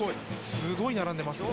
すごい並んでますね。